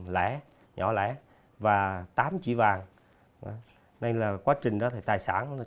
rồi em vô trong nhà đi game